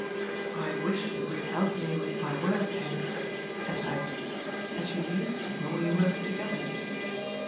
*^ I wish you would help me with my work, Henk," said Huib, "as you used to mhen we worked together."